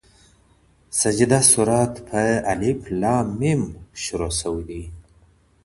سجده سورت په {ا. ل .م.} شروع سوی دی.